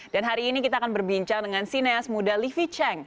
hari ini kita akan berbincang dengan sineas muda livi cheng